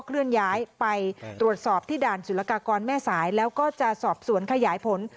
เคลื่อนย้ายไปตรวจสอบที่ด่านสุรกากรแม่สายแล้วก็จะสอบสวนขยายผล